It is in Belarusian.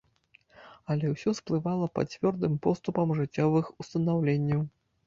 Але ўсё сплывала пад цвёрдым поступам жыццёвых устанаўленняў.